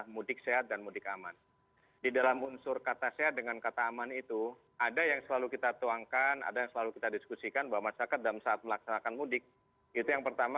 menyokut masalah keselamatan juga